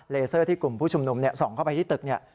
เลเซอร์ที่กลุ่มพิชุมนุมเนี่ยส่องเข้าไปที่ตึกเนี่ย